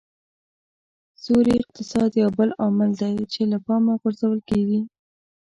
سیوري اقتصاد یو بل عامل دی چې له پامه غورځول کېږي